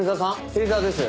芹沢です。